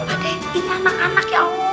ini anak anak ya allah